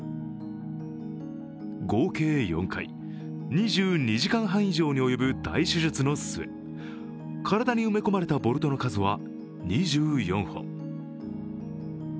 合計４回、２２時間半以上に及ぶ大手術の末体に埋め込まれたボルトの数は２４本。